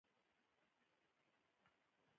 په پلورنځي کې باید د بیلونو سیستم سم وي.